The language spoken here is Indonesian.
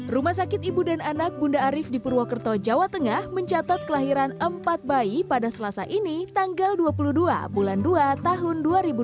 rumah sakit ibu dan anak bunda arief di purwokerto jawa tengah mencatat kelahiran empat bayi pada selasa ini tanggal dua puluh dua bulan dua tahun dua ribu dua puluh